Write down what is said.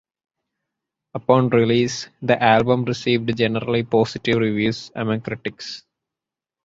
Upon release the album received generally positive reviews among critics.